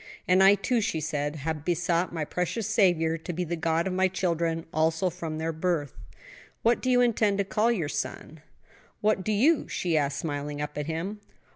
"And I, too," she said, "have besought my precious Saviour to be the God of my children also from their birth." "What do you intend to call your son?" "What do you?" she asked, smiling up at him.